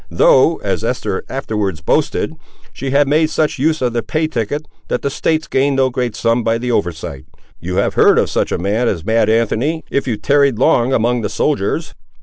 Though, as Esther afterwards boasted, she had made such use of the pay ticket, that the States gained no great sum, by the oversight. You have heard of such a man as mad Anthony, if you tarried long among the soldiers."